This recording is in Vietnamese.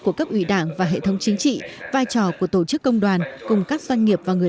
của cấp ủy đảng và hệ thống chính trị vai trò của tổ chức công đoàn cùng các doanh nghiệp và người